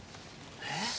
えっ？